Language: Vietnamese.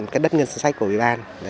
các đất ngân sản sách của ủy ban